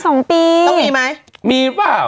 ต้องมีมั้ยมีเปล่า